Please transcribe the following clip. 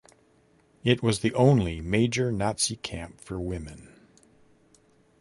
It was the only major Nazi camp for women.